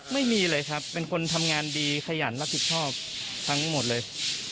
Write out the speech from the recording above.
ไม่มีเลยครับเป็นคนทำงานดีขยันรับผิดชอบทั้งหมดเลย